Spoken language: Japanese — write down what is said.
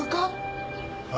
ああ。